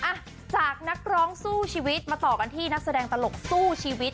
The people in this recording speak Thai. อ่ะจากนักร้องสู้ชีวิตมาต่อกันที่นักแสดงตลกสู้ชีวิต